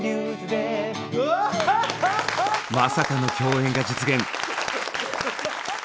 まさかの共演が実現！